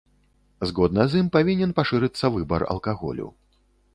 Згодна з ім павінен пашырыцца выбар алкаголю.